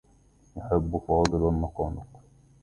يحبّ فاضل النقانق.